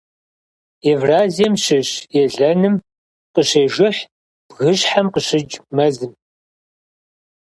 Евразием щыщ елэным къыщежыхь бгыщхьэм къыщыкӀ мэзым.